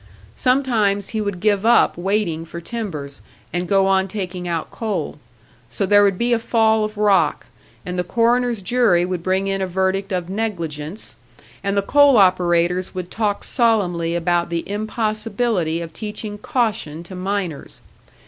Sometimes he would give up waiting for timbers, and go on taking out coal; so there would be a fall of rock and the coroner's jury would bring in a verdict of "negligence," and the coal operators would talk solemnly about the impossibility of teaching caution to miners.